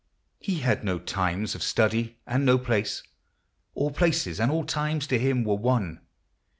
He had no times of study, and no place ; All places and all times to him were one.